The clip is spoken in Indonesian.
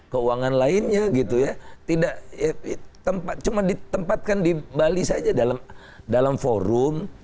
keuangan lainnya gitu ya tidak tempat cuma ditempatkan di bali saja dalam dalam forum